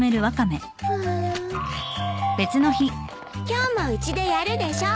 今日もうちでやるでしょ？